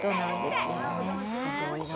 すごいな。